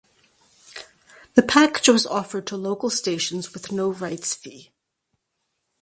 The package was offered to local stations with no rights fee.